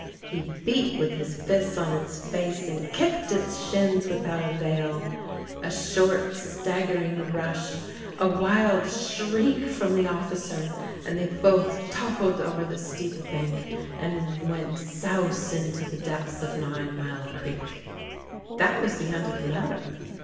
He beat with his fists on its face, and kicked its shins without avail. A short, staggering rush, a wild shriek from the officer, and they both toppled over the steep bank and went souse into the depths of Ninemile Creek. That was the end of the matter.